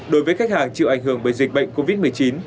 đối với khách hàng chịu ảnh hưởng bởi dịch bệnh covid một mươi chín